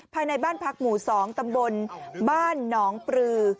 ภายในบ้านพักหมู่๒ตำบลบ้านหนองปลือ